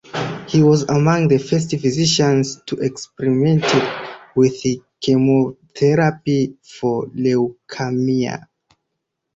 He was among the first physicians to experiment with chemotherapy for leukaemia.